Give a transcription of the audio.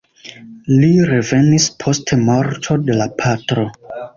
Li revenis post morto de la patro.